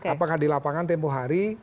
apakah di lapangan tempoh hari